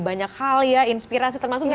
banyak hal ya inspirasi termasuk